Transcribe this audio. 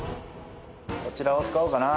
こちらを使おうかな。